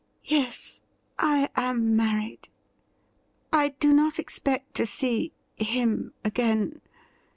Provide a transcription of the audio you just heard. ' Yes, I am married. I do not expect to see him again.'